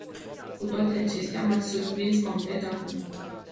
Cu toate acestea, m-ați surprins complet acum.